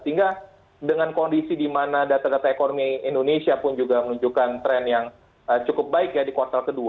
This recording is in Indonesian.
sehingga dengan kondisi di mana data data ekonomi indonesia pun juga menunjukkan tren yang cukup baik ya di kuartal kedua